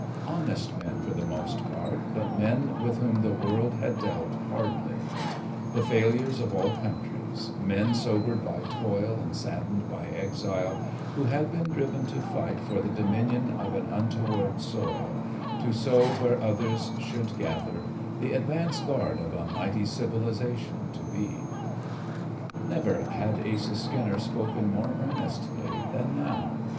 Honest men for the most part, but men with whom the world had dealt hardly; the failures of all countries, men sobered by toil and saddened by exile, who had been driven to fight for the dominion of an untoward soil, to sow where others should gather, the advance guard of a mighty civilization to be. Never had Asa Skinner spoken more earnestly than now.